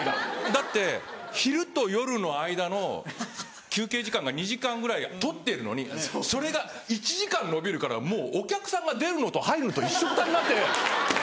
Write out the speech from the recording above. だって昼と夜の間の休憩時間が２時間ぐらい取ってるのにそれが１時間延びるからもうお客さんが出るのと入るのと一緒くたになって。